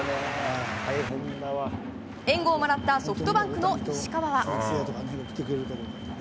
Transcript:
援護をもらったソフトバンクの石川は。